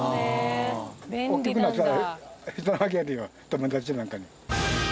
友達なんかに。